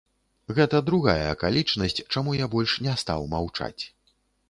Гэта другая акалічнасць, чаму я больш не стаў маўчаць.